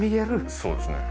そうですね。